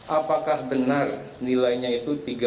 apakah benar nilainya itu